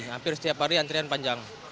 hampir setiap hari antrian panjang